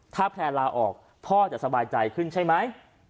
ถ้าแพลนลาออกพ่อจะสบายใจขึ้นใช่ไหม